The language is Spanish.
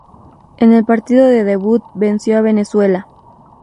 En el partido de debut venció a Venezuela.